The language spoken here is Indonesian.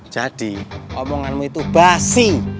jadi omonganmu itu basi